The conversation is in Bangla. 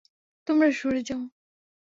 তোমরা সরে যাও!